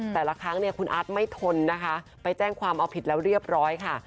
แต่ละครั้งเนี่ยคุณอาร์ตไม่ทนนะคะไปแจ้งความเอาผิดแล้วเรียบร้อยค่ะ